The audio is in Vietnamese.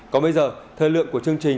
còn bây giờ thời lượng của chương trình